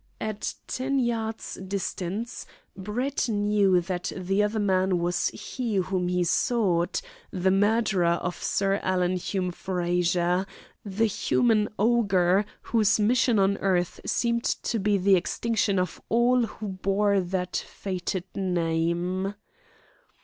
At ten yards' distance Brett knew that the other man was he whom he sought, the murderer of Sir Alan Hume Frazer, the human ogre whose mission on earth seemed to be the extinction of all who bore that fated name.